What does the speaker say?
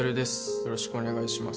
よろしくお願いします